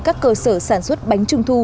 các cơ sở sản xuất bánh trung thu